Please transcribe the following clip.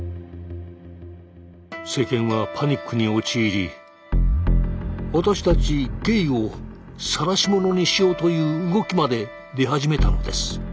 世間はパニックに陥り私たちゲイをさらし者にしようという動きまで出始めたのです。